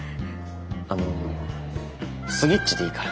あのスギッチでいいから。